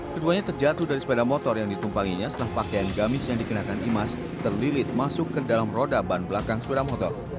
keduanya terjatuh dari sepeda motor yang ditumpanginya setelah pakaian gamis yang dikenakan imas terlilit masuk ke dalam roda ban belakang sepeda motor